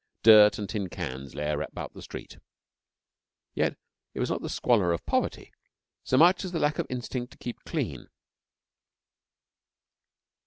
Dirt and tin cans lay about the street. Yet it was not the squalor of poverty so much as the lack of instinct to keep clean.